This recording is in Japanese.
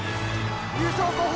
優勝候補